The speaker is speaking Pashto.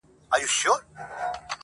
• هر سړی به په خپل کار پسي روان وای -